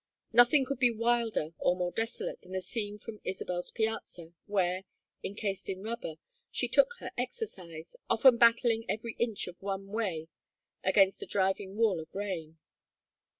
Nothing could be wilder or more desolate than the scene from Isabel's piazza, where, encased in rubber, she took her exercise, often battling every inch of one way against a driving wall of rain.